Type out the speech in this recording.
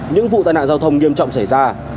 những vụ tai nạn giao thông nghiêm trọng xảy ra